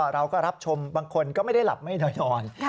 เราก็รับชมบางคนก็ไม่ได้หลับไม่ได้นอน